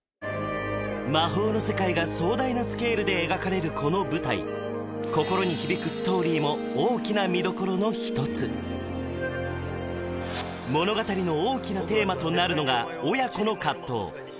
魔法の世界が壮大なスケールで描かれるこの舞台心に響くストーリーも大きな見どころの一つ物語の大きなテーマとなるのが親子の葛藤